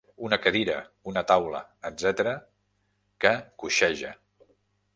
Una cadira, una taula, etc., que coixeja.